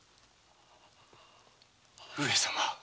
上様。